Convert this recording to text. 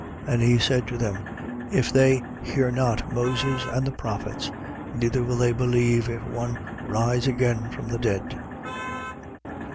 16:31. And he said to him: If they hear not Moses and the prophets, neither will they believe, if one rise again from the dead.